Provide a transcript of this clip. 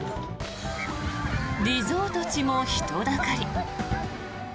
リゾート地も人だかり。